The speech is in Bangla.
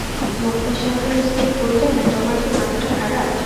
মোক্তার সাহেবের স্ত্রী বললেন, তোমার কি মাথাটা খারাপ?